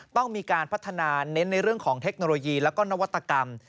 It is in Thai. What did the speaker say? ต้องมีการพัฒนาเน้นในเรื่องของเทคโนโลยีและก็นวัตกรรม